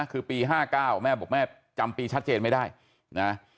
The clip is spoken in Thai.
คือปี๕๙แม่บอกแม่จำปีชัดเจนไม่ได้นะ